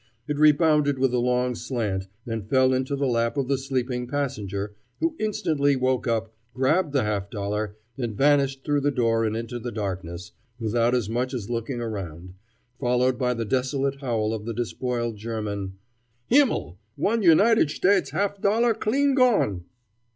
It rebounded with a long slant and fell into the lap of the sleeping passenger, who instantly woke up, grabbed the half dollar, and vanished through the door and into the darkness, without as much as looking around, followed by the desolate howl of the despoiled German: "Himmel! One United Shdades half dollar clean gone!"